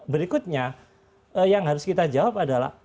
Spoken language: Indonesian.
berikutnya yang harus kita jawab adalah